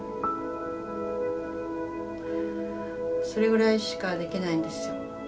それぐらいしかできないんですよ。